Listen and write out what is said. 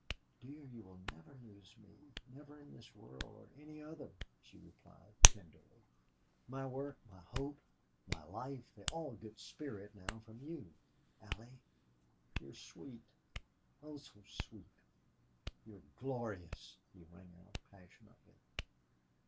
"Dear, you will never lose me never in this world or any other," she replied, tenderly. "My work, my hope, my life, they all get spirit now from you... Allie! You're sweet oh, so sweet! You're glorious!" he rang out, passionately.